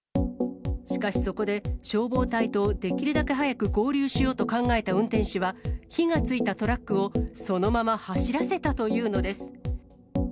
しかしそこで、消防隊とできるだけ早く合流しようと考えた運転手は、火がついたトラックをそのまま走らせたというのです。